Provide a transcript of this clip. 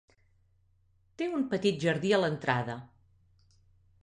Té un petit jardí a l'entrada.